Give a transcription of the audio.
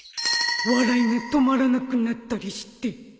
笑いが止まらなくなったりして